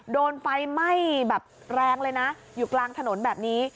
โดนไฟไหม้แบบแรงเลยนะอยู่กลางถนนแบบนี้